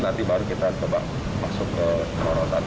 nanti baru kita coba masuk ke perorosan